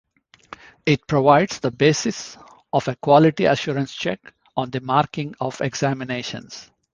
It provides the basis of a quality assurance check on the marking of examinations.